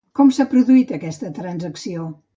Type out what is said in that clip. Quan s'ha produït aquesta transacció?